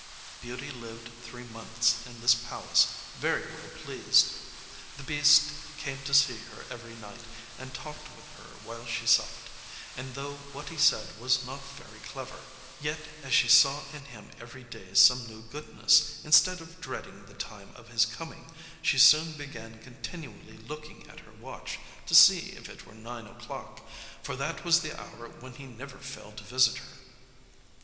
Beauty lived three months in this palace very well pleased. The beast came to see her every night, and talked with her while she supped; and though what he said was not very clever, yet, as she saw in him every day some new goodness, instead of dreading the time of his coming, she soon began continually looking at her watch, to see if it were nine o'clock; for that was the hour when he never failed to visit her.